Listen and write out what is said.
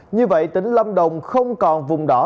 như vậy tỉnh lâm đồng không còn vùng đỏ